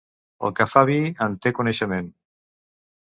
El que fa vi en té coneixement.